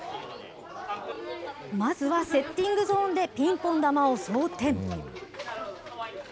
まずはセッティングゾーンでピンポン球を装填。